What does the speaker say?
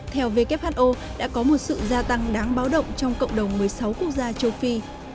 theo who đã có một sự gia tăng đáng báo động trong cộng đồng một mươi sáu quốc gia châu phi